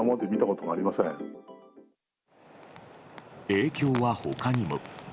影響は他にも。